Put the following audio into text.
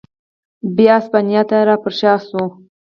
بیا اسپانیا ته را پرشا شو.